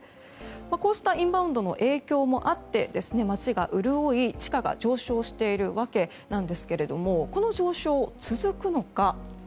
こうしたインバウンドの影響もあって街が潤い、地価が上昇しているわけなんですけれどこの上昇は続くのか。